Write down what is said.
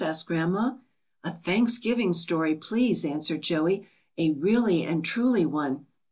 ^^ asked grandma. Thanksgiving story, please,'' answered Joey, ^^a really and truly one."